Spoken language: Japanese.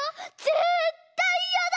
ぜったいいやだ！